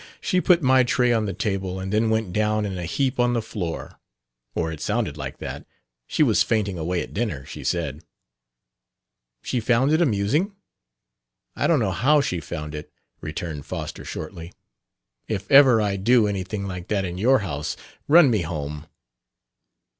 She put my tray on the table, and then went down in a heap on the floor or it sounded like that. She was fainting away at dinner, she said." "She found it amusing?" "I don't know how she found it," returned Foster shortly. "If ever I do anything like that at your house, run me home."